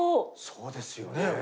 そうですよね。